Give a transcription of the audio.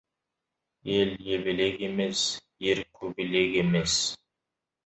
Ел ебелек емес, ер көбелек емес.